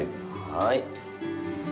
はい。